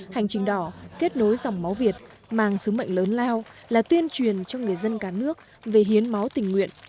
hành trình đỏ kết nối dòng máu việt mang sứ mệnh lớn lao là tuyên truyền cho người dân cả nước về hiến máu tình nguyện